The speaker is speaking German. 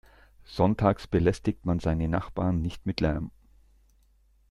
Sonntags belästigt man seine Nachbarn nicht mit Lärm.